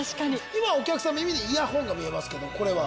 今お客さんの耳にイヤホンが見えますけどこれは？